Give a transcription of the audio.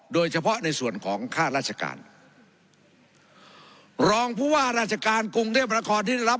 โดยเฉพาะในส่วนของข้าราชการรองผู้ว่าราชการกรุงเตียบราคอนที่รับ